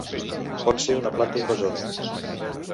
Pot ser una planta invasora.